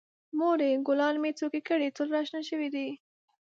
مورې، ګلانو مې څوکې کړي، ټول را شنه شوي دي.